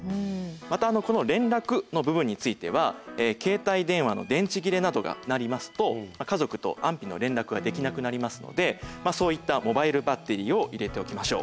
またこの連絡の部分については携帯電話の電池切れなどがなりますと家族と安否の連絡ができなくなりますのでそういったモバイルバッテリーを入れておきましょう。